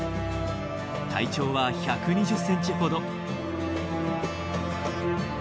体長は１２０センチほど。